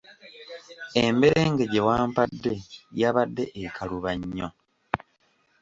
Emberenge gye wampadde yabadde ekaluba nnyo.